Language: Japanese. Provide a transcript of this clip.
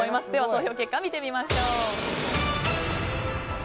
投票結果見てみましょう。